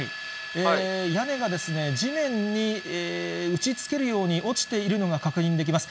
屋根が地面に打ちつけるように落ちているのが確認できます。